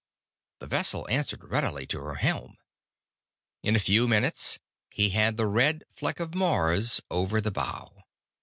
The vessel answered readily to her helm. In a few minutes he had the red fleck of Mars over the bow.